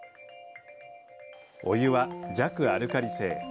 お湯は弱アルカリ性。